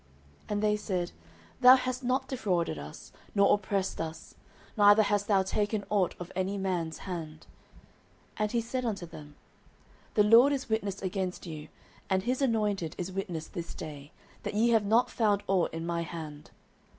09:012:004 And they said, Thou hast not defrauded us, nor oppressed us, neither hast thou taken ought of any man's hand. 09:012:005 And he said unto them, The LORD is witness against you, and his anointed is witness this day, that ye have not found ought in my hand.